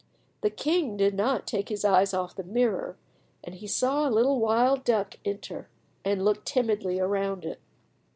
The king did not take his eyes off the mirror, and he saw a little wild duck enter, and look timidly around it.